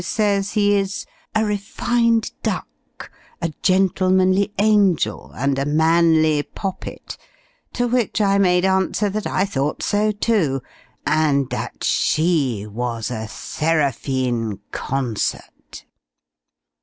says he is a 'refined duck,' a 'gentlemanly angel,' and a 'manly poppet:' to which I made answer, that I thought so too; and that she was a 'seraphine concert.'